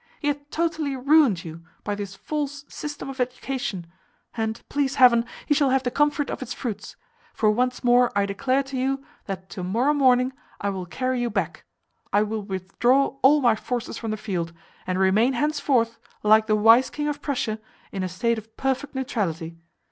He hath totally ruined you by this false system of education; and, please heaven, he shall have the comfort of its fruits; for once more I declare to you, that to morrow morning I will carry you back. I will withdraw all my forces from the field, and remain henceforth, like the wise king of Prussia, in a state of perfect neutrality.